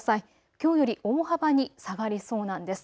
きょうより大幅に下がりそうなんです。